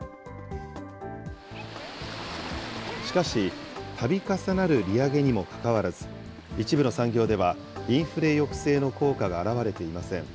しかし、たび重なる利上げにもかかわらず、一部の産業ではインフレ抑制の効果が表れていません。